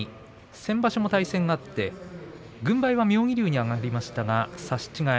先場所も対戦があって軍配は妙義龍に上がりましたが差し違え。